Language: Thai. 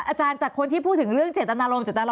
อาจารย์จากคนที่พูดถึงเรื่องเจตนารมณ์